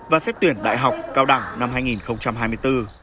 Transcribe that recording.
và xét tuyển đại học cao đẳng năm hai nghìn hai mươi bốn